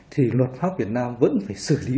thì luật pháp việt nam vẫn phải xử lý